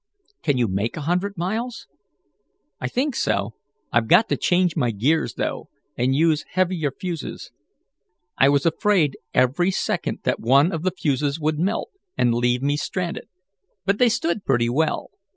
"Can you make a hundred miles?" "I think so. I've got to change my gears, though, and use heavier fuses. I was afraid every second that one of the fuses would melt, and leave me stranded. But they stood pretty well.